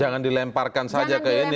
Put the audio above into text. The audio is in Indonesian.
jangan dilemparkan saja ke ini